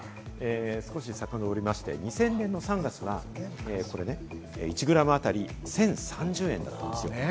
少しさかのぼりまして、２０００年の３月は、１グラムあたり１０３０円だったんですね。